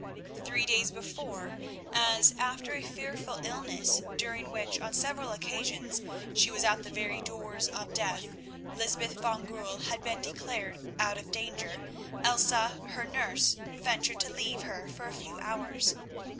Three days before, as after a fearful illness during which on several occasions she was at the very doors of death, Lysbeth van Goorl had been declared out of danger, Elsa, her nurse, ventured to leave her for a few hours.